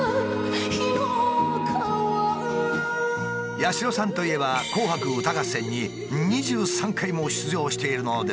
八代さんといえば「紅白歌合戦」に２３回も出場しているのですが。